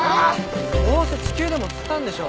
どうせ地球でも釣ったんでしょ？